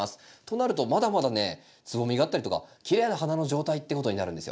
となるとまだまだねつぼみがあったりとかきれいな花の状態っていうことになるんですよ。